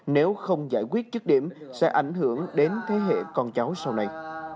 nếu không giải quyết chức điểm sẽ ảnh hưởng đến thế hệ con cháu sau này